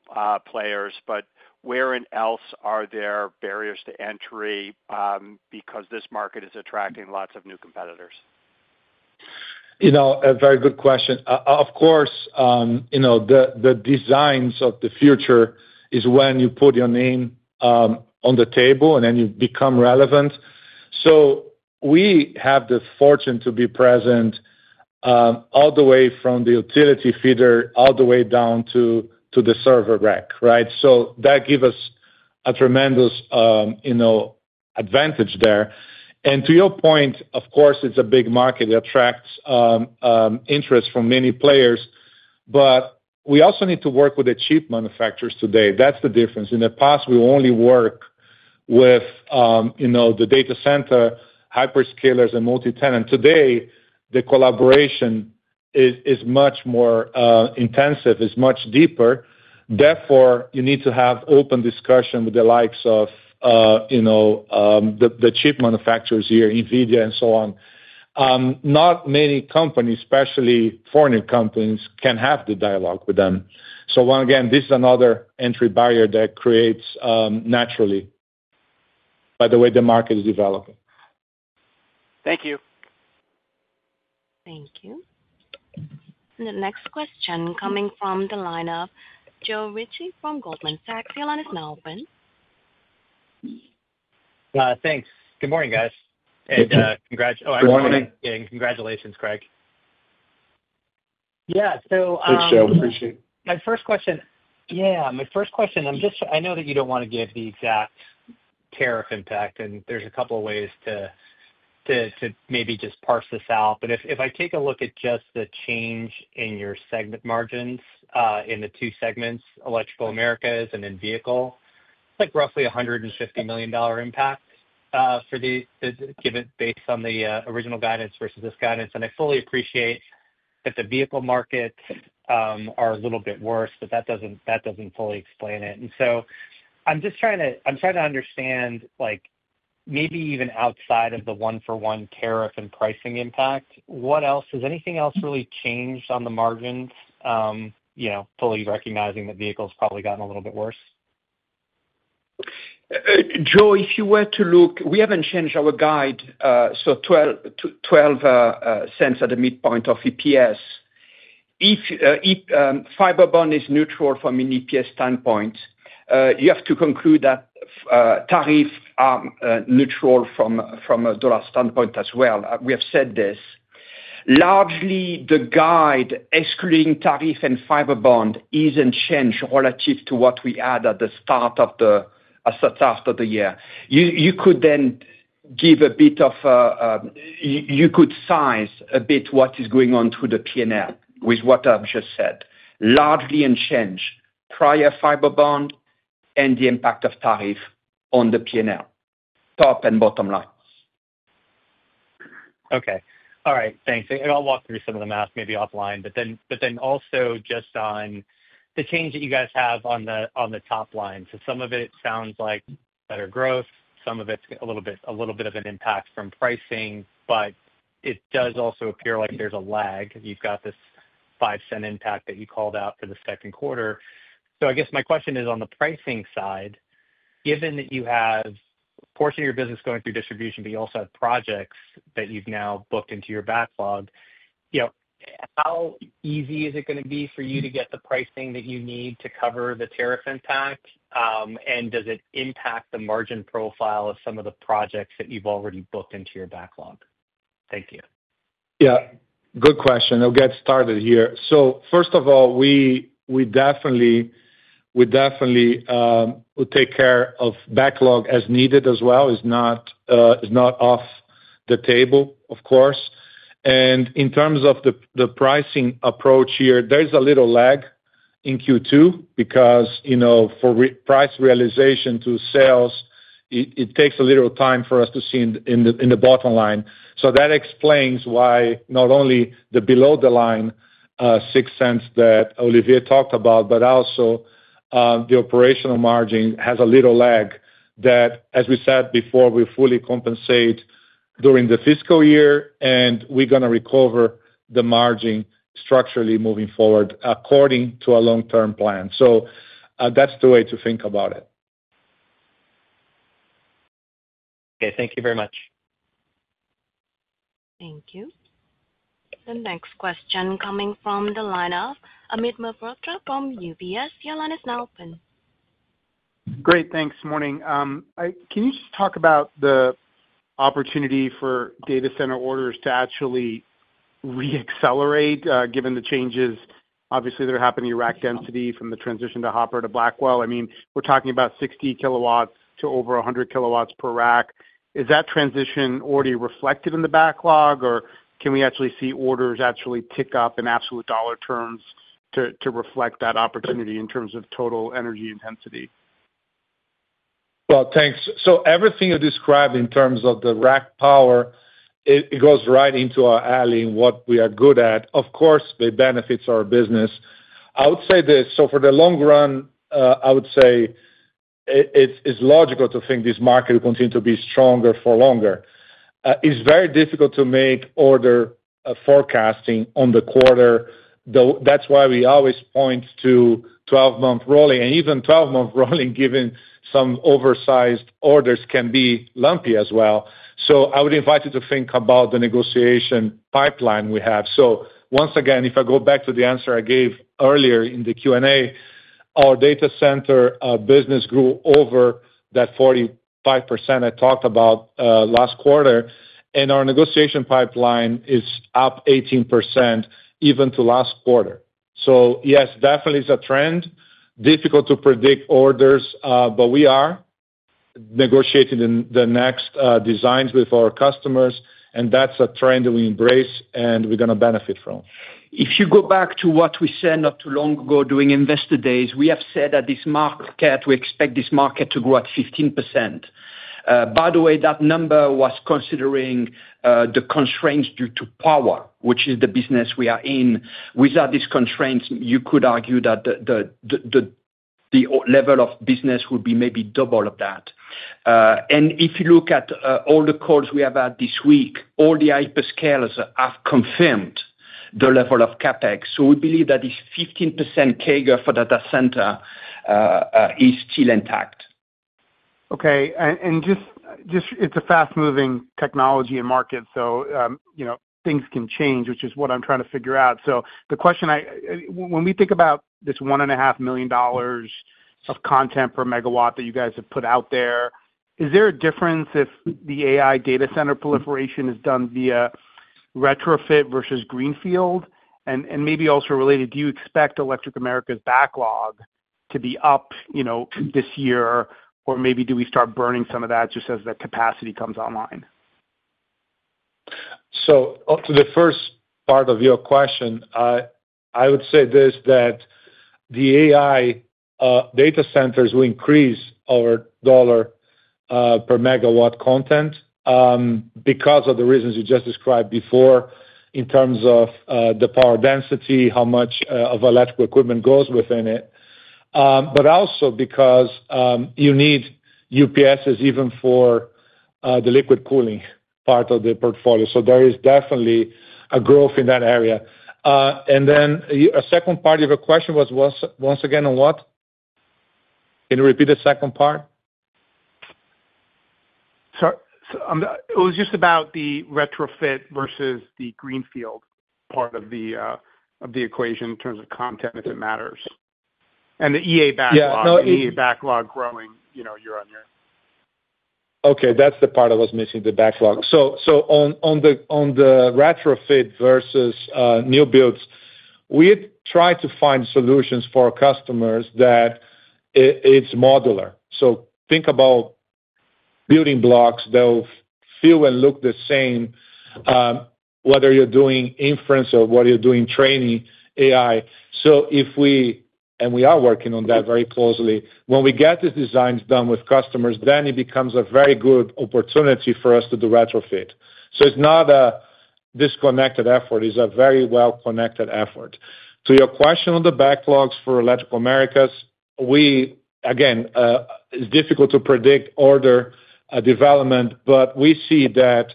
players, but where else are there barriers to entry because this market is attracting lots of new competitors? A very good question. Of course, the designs of the future is when you put your name on the table and then you become relevant. We have the fortune to be present all the way from the utility feeder all the way down to the server rack, right? That gives us a tremendous advantage there. To your point, of course, it is a big market. It attracts interest from many players. We also need to work with the chip manufacturers today. That is the difference. In the past, we only worked with the data center hyperscalers and multi-tenant. Today, the collaboration is much more intensive, is much deeper. Therefore, you need to have open discussion with the likes of the chip manufacturers here, Nvidia, and so on. Not many companies, especially foreign companies, can have the dialogue with them. Once again, this is another entry barrier that creates naturally by the way the market is developing. Thank you. Thank you. The next question coming from the line of Joe Ritchie from Goldman Sachs, your line is open. Thanks. Good morning, guys. And congrats. Good morning. Congratulations, Craig. Yeah. So. Thanks, Joe. Appreciate it. My first question. Yeah. My first question. I know that you do not want to give the exact tariff impact, and there are a couple of ways to maybe just parse this out. If I take a look at just the change in your segment margins in the two segments, Electrical Americas and then vehicle, it is like roughly a $150 million impact for the given based on the original guidance versus this guidance. I fully appreciate that the vehicle markets are a little bit worse, but that does not fully explain it. I am just trying to understand maybe even outside of the one-for-one tariff and pricing impact, what else? Has anything else really changed on the margins, fully recognizing that vehicle has probably gotten a little bit worse? Joe, if you were to look, we haven't changed our guide. $0.12 at the midpoint of EPS. Fibrebond is neutral from an EPS standpoint. You have to conclude that tariff neutral from a dollar standpoint as well. We have said this. Largely, the guide excluding tariff and Fibrebond isn't changed relative to what we had at the start of the year. You could then give a bit of a, you could size a bit what is going on through the P&L with what I've just said. Largely unchanged. Prior Fibrebond and the impact of tariff on the P&L. Top and bottom line. Okay. All right. Thanks. I'll walk through some of the math maybe offline. Also, just on the change that you guys have on the top line. Some of it sounds like better growth. Some of it's a little bit of an impact from pricing, but it does also appear like there's a lag. You've got this $0.05 impact that you called out for the second quarter. I guess my question is on the pricing side, given that you have a portion of your business going through distribution, but you also have projects that you've now booked into your backlog, how easy is it going to be for you to get the pricing that you need to cover the tariff impact? Does it impact the margin profile of some of the projects that you've already booked into your backlog? Thank you. Yeah. Good question. I'll get started here. First of all, we definitely will take care of backlog as needed as well. It's not off the table, of course. In terms of the pricing approach here, there's a little lag in Q2 because for price realization to sales, it takes a little time for us to see in the bottom line. That explains why not only the below-the-line $0.06 that Olivier talked about, but also the operational margin has a little lag that, as we said before, we fully compensate during the fiscal year, and we're going to recover the margin structurally moving forward according to a long-term plan. That's the way to think about it. Okay. Thank you very much. Thank you. The next question coming from the line of Amit Mehrotra from UBS, your line is open. Great. Thanks. Morning. Can you just talk about the opportunity for data center orders to actually re-accelerate given the changes, obviously, that are happening in rack density from the transition to Hopper to Blackwell? I mean, we're talking about 60 KW to over 100 KW per rack. Is that transition already reflected in the backlog, or can we actually see orders actually tick up in absolute dollar terms to reflect that opportunity in terms of total energy intensity? Thanks. Everything you described in terms of the rack power, it goes right into our alley and what we are good at. Of course, it benefits our business. I would say this. For the long run, I would say it's logical to think this market will continue to be stronger for longer. It's very difficult to make order forecasting on the quarter. That's why we always point to 12-month rolling. Even 12-month rolling, given some oversized orders, can be lumpy as well. I would invite you to think about the negotiation pipeline we have. Once again, if I go back to the answer I gave earlier in the Q&A, our data center business grew over that 45% I talked about last quarter. Our negotiation pipeline is up 18% even to last quarter. Yes, definitely it's a trend. Difficult to predict orders, but we are negotiating the next designs with our customers. That is a trend that we embrace and we are going to benefit from. If you go back to what we said not too long ago during Investor Days, we have said that this market, we expect this market to grow at 15%. By the way, that number was considering the constraints due to power, which is the business we are in. Without these constraints, you could argue that the level of business would be maybe double of that. If you look at all the calls we have had this week, all the hyperscalers have confirmed the level of CapEx. We believe that this 15% CAGR for data center is still intact. Okay. It is a fast-moving technology and market, so things can change, which is what I'm trying to figure out. The question is, when we think about this $1.5 million of content per megawatt that you guys have put out there, is there a difference if the AI data center proliferation is done via retrofit versus greenfield? Maybe also related, do you expect Electrical Americas backlog to be up this year, or maybe do we start burning some of that just as the capacity comes online? To the first part of your question, I would say this: that the AI data centers will increase our dollar per megawatt content because of the reasons you just described before in terms of the power density, how much of electrical equipment goes within it, but also because you need UPSs even for the liquid cooling part of the portfolio. There is definitely a growth in that area. The second part of your question was once again on what? Can you repeat the second part? It was just about the retrofit versus the greenfield part of the equation in terms of content if it matters. And the EA backlog. Yeah. No. EA backlog growing year on year. Okay. That's the part I was missing, the backlog. On the retrofit versus new builds, we try to find solutions for our customers that are modular. Think about building blocks. They'll feel and look the same whether you're doing inference or whether you're doing training AI. If we—and we are working on that very closely—when we get these designs done with customers, then it becomes a very good opportunity for us to do retrofit. It's not a disconnected effort. It's a very well-connected effort. To your question on the backlogs for Electrical Americas, again, it's difficult to predict order development, but we see that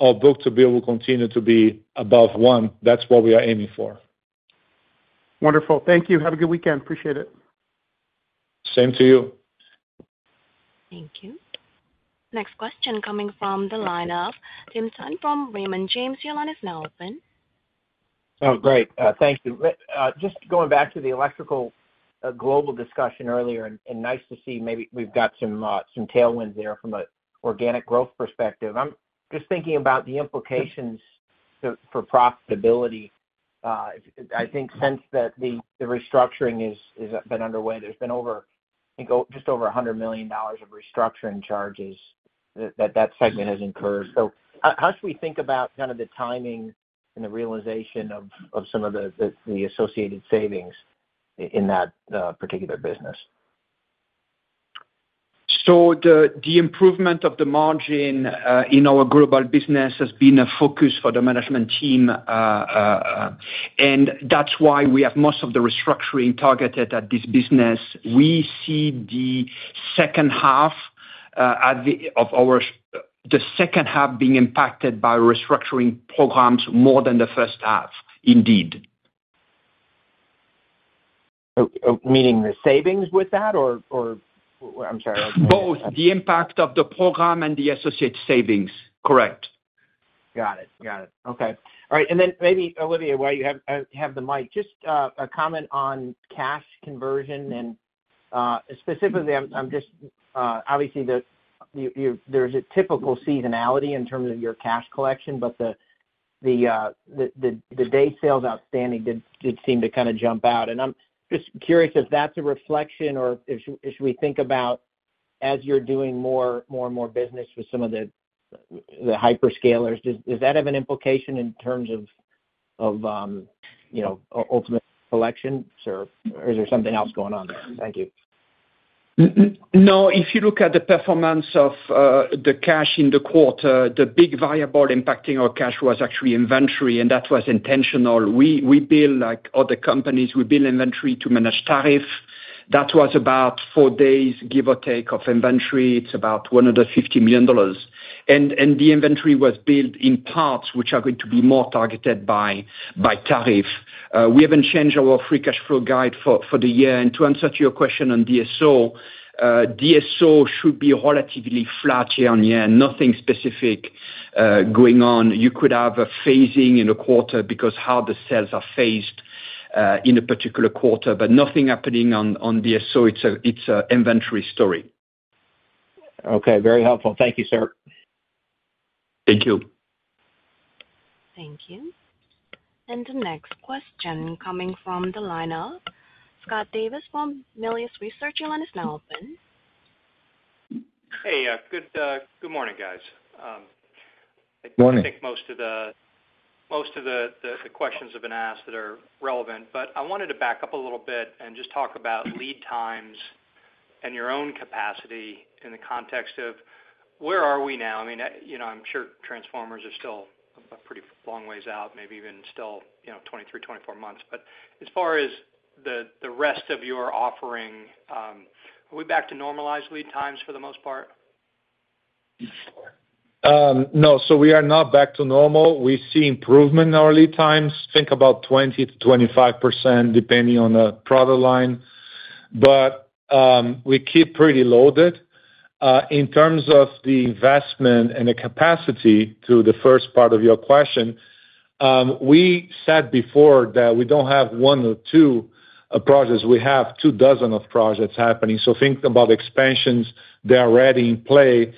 our book-to-bill will continue to be above one. That's what we are aiming for. Wonderful. Thank you. Have a good weekend. Appreciate it. Same to you. Thank you. Next question coming from the line of Tim Thein from Raymond James. your line is open. Oh, great. Thank you. Just going back to the Electrical Global discussion earlier, and nice to see maybe we've got some tailwinds there from an organic growth perspective. I'm just thinking about the implications for profitability. I think since the restructuring has been underway, there's been just over $100 million of restructuring charges that that segment has incurred. How should we think about kind of the timing and the realization of some of the associated savings in that particular business? The improvement of the margin in our global business has been a focus for the management team. That is why we have most of the restructuring targeted at this business. We see the second half of our—the second half being impacted by restructuring programs more than the first half, indeed. Meaning the savings with that, or? I'm sorry. Both. The impact of the program and the associated savings. Correct. Got it. Got it. Okay. All right. Maybe, Olivier, while you have the mic, just a comment on cash conversion. Specifically, I'm just—obviously, there's a typical seasonality in terms of your cash collection, but the Days Sales Outstanding did seem to kind of jump out. I'm just curious if that's a reflection, or should we think about, as you're doing more and more business with some of the hyperscalers, does that have an implication in terms of ultimate collection, or is there something else going on there? Thank you. No. If you look at the performance of the cash in the quarter, the big variable impacting our cash was actually inventory, and that was intentional. We build, like other companies, we build inventory to manage tariff. That was about four days, give or take, of inventory. It's about $150 million. And the inventory was built in parts, which are going to be more targeted by tariff. We haven't changed our free cash flow guide for the year. To answer your question on DSO, DSO should be relatively flat year on year. Nothing specific going on. You could have a phasing in a quarter because how the sales are phased in a particular quarter, but nothing happening on DSO. It's an inventory story. Okay. Very helpful. Thank you, sir. Thank you. Thank you. The next question coming from the line of Scott Davis from Melius Research. your line is open. Hey. Good morning, guys. I think most of the questions have been asked that are relevant. I wanted to back up a little bit and just talk about lead times and your own capacity in the context of where are we now? I mean, I'm sure transformers are still a pretty long ways out, maybe even still 23-24 months. As far as the rest of your offering, are we back to normalized lead times for the most part? No. We are not back to normal. We see improvement in our lead times, think about 20%-25% depending on the product line. We keep pretty loaded. In terms of the investment and the capacity to the first part of your question, we said before that we do not have one or two projects. We have two dozen of projects happening. Think about expansions that are already in play.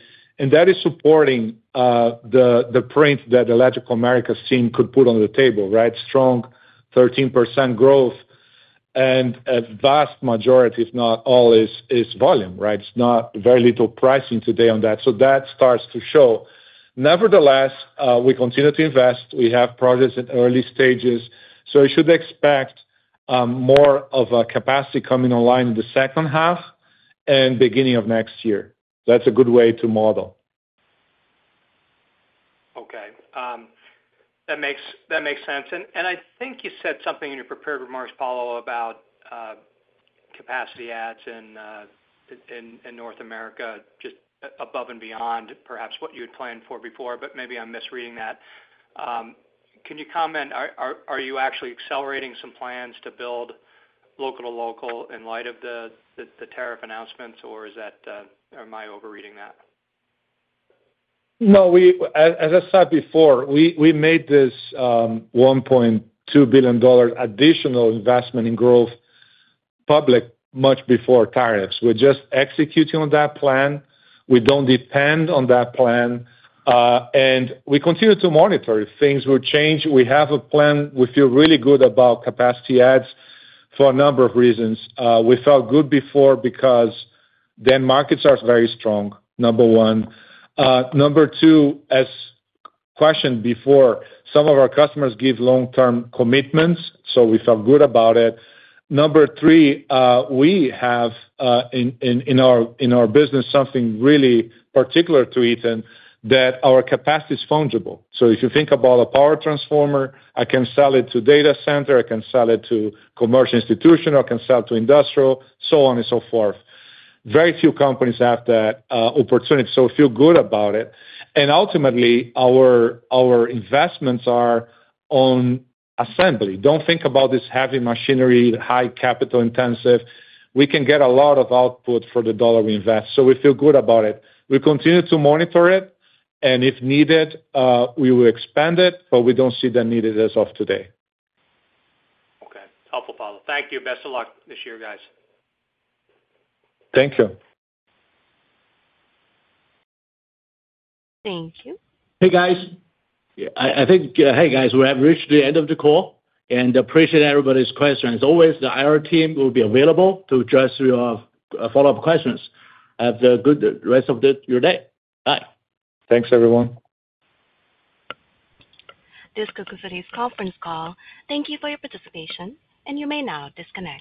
That is supporting the print that Electrical Americas team could put on the table, right? Strong 13% growth. A vast majority, if not all, is volume, right? It is not very little pricing today on that. That starts to show. Nevertheless, we continue to invest. We have projects in early stages. We should expect more of a capacity coming online in the second half and beginning of next year. That's a good way to model. Okay. That makes sense. I think you said something in your prepared remarks, Paulo, about capacity adds in North America just above and beyond perhaps what you had planned for before, but maybe I'm misreading that. Can you comment? Are you actually accelerating some plans to build local to local in light of the tariff announcements, or am I overreading that? No. As I said before, we made this $1.2 billion additional investment in growth public much before tariffs. We are just executing on that plan. We do not depend on that plan. We continue to monitor if things will change. We have a plan. We feel really good about capacity adds for a number of reasons. We felt good before because the markets are very strong, number one. Number two, as questioned before, some of our customers give long-term commitments, so we felt good about it. Number three, we have in our business something really particular to Eaton that our capacity is fungible. If you think about a power transformer, I can sell it to a data center. I can sell it to commercial institutions. I can sell it to industrial, so on and so forth. Very few companies have that opportunity, so we feel good about it. Ultimately, our investments are on assembly. Do not think about this heavy machinery, high capital intensive. We can get a lot of output for the dollar we invest. We feel good about it. We continue to monitor it. If needed, we will expand it, but we do not see the need as of today. Okay. Helpful, Paulo. Thank you. Best of luck this year, guys. Thank you. Thank you. Hey, guys. I think we have reached the end of the call. Appreciate everybody's questions. As always, our team will be available to address your follow-up questions. Have a good rest of your day. Bye. Thanks, everyone. This concludes today's conference call. Thank you for your participation, and you may now disconnect.